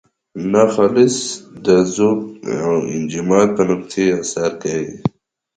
ناخالصې د ذوب او انجماد په نقطې اثر کوي.